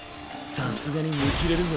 さすがに見きれるぞ。